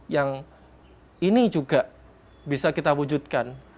yang ini juga bisa kita wujudkan